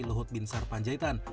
lohot bin sar panjaitan